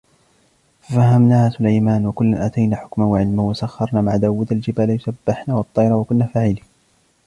ففهمناها سليمان وكلا آتينا حكما وعلما وسخرنا مع داوود الجبال يسبحن والطير وكنا فاعلين